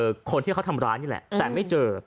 คนที่เขาทำร้ายนี่แหละแต่ไม่เจอ